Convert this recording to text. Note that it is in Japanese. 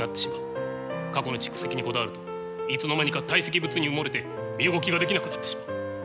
過去の蓄積にこだわるといつの間にか堆積物に埋もれて身動きができなくなってしまう。